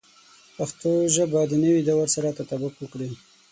پښتو ژبه د نوي دور سره تطابق وکړي.